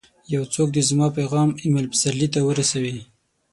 یو څوک دي زما پیغام اېمل پسرلي ته ورسوي!